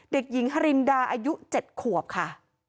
เด็กหญิงฮารินดาอายุ๗ขวบค่ะ